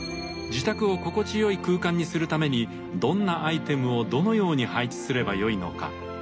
自宅を心地よい空間にするためにどんなアイテムをどのように配置すればよいのか。